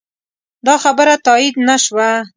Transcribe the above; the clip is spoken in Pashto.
دا خبره تایید نه شوه.